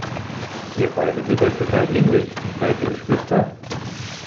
Ihr beide seht euch total ähnlich, seid ihr Geschwister?